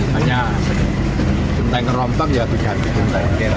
hanya cinta yang merontak ya punya hati cinta yang kira